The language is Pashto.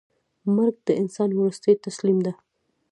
مرګ د انسان وروستۍ تسلیم ده.